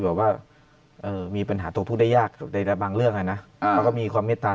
บอกว่ามีปัญหาตกพูดได้ยากแต่บางเรื่องอ่ะนะมีความเม็ดตา